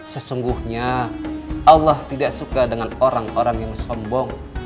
sesungguhnya allah tidak suka dengan orang orang yang sombong